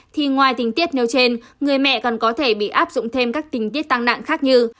thì ngoài tình tiết nêu trên người mẹ còn có thể bị áp dụng thêm các tình tiết tăng nặng khác như